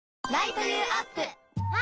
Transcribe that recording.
あ！